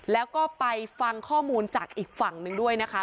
แล้วก็ไปฟังข้อมูลจากอีกฝั่งหนึ่งด้วยนะคะ